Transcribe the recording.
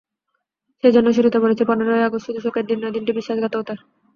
সেই জন্যই শুরুতে বলেছি, পনেরোই আগস্ট শুধু শোকের দিন নয়, দিনটি বিশ্বাসঘাতকতার।